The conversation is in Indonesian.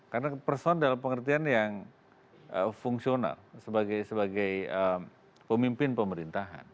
karena person adalah pengertian yang fungsional sebagai pemimpin pemerintahan